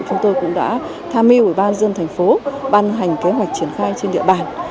chúng tôi cũng đã tham mưu ủy ban dân thành phố ban hành kế hoạch triển khai trên địa bàn